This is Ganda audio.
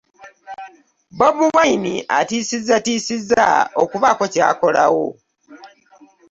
Bobi Wine atiisizzatiisizza okubaako ky'akolawo.